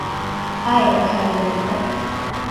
আয় ভাই ললিতা!